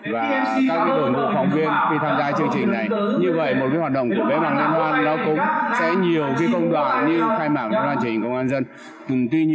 bởi vì đó chính là những người sẽ làm nên